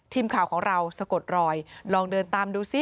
ทีมข่าวของเราสะกดรอยลองเดินตามดูซิ